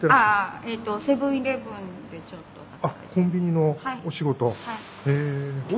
あっコンビニのお仕事。